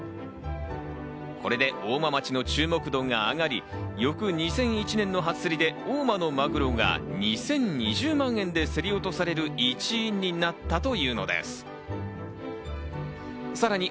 これで大間町の注目度が上がり、翌２００１年の初競りで大間のマグロが２０２０万円で競り落とされる一因になったというのです。